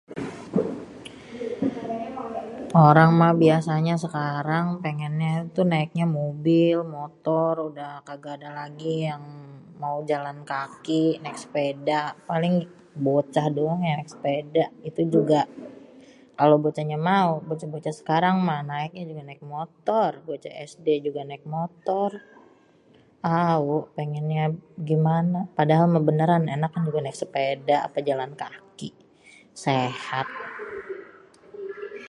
orang mah biasanya sekarang pengennya naiknya tuh mobil motor.. udah kagak ada lagi yang mau jalan kaki naik sépéda.. paling bocah doang yang naék sépéda.. itu juga kalo bocahnya mau.. bocah-bocah sekarang mah naiknya juga naik motor.. bocah sd juga naik motor.. au péngénnya gimana..padahal mah bénéran enakan juga naik sépéda apa jalan kaki.. sehat..